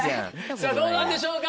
さぁどうなんでしょうか？